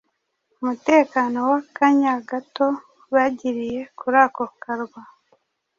Umutekano w’akanya gato bagiriye kuri ako karwa